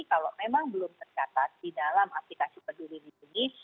kalau memang belum tercatat di dalam aplikasi peduli lindungi